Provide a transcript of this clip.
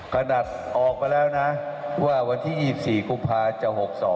ขนาดออกมาแล้วนะว่าวันที่๒๔กุมภาจะ๖๒